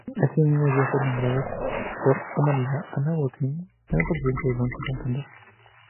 Ese mismo día fue nombrada por unanimidad Ana Botín nueva presidenta del Banco Santander.